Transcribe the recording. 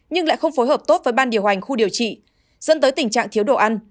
nhưng lại không phối hợp tốt với ban điều hành khu điều trị dẫn tới tình trạng thiếu đồ ăn